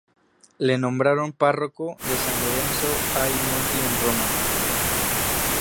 Le nombraron párroco de San Lorenzo ai Monti en Roma.